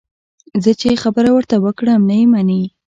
زه چې خبره ورته وکړم، نه یې مني.